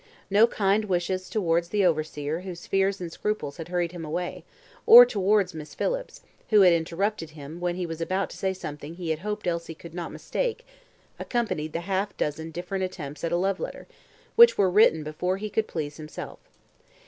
No kind wishes towards the overseer whose fears and scruples had hurried him away, or towards Miss Phillips, who had interrupted him when he was about to say something he had hoped Elsie could not mistake, accompanied the half dozen different attempts at a love letter, which were written before he could please himself.